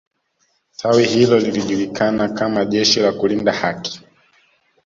tawi hilo lilijulikana kama jeshi la kulinda haki